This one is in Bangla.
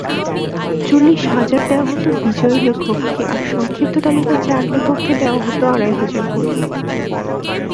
চল্লিশ হাজার দেওয়া হতো বিজয়ী লেখককে আর সংক্ষিপ্ত তালিকার চার লেখককে দেওয়া হতো আড়াই হাজার করে।